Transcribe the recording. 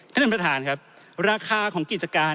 ท่านประธานครับราคาของกิจการ